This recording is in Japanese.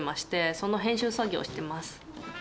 その編集作業をしています。